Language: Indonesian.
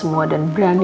eh wajah merah